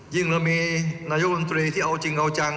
ยิ่งแล้วมีนายกลุ่มตรีที่เอาจริงเอาจัง